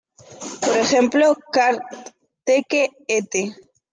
Por ejemplo, Kart-Teke et.